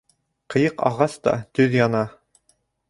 Ҡыйыҡ ағас та төҙ яна.